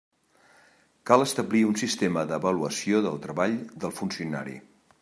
Cal establir un sistema d'avaluació del treball del funcionari.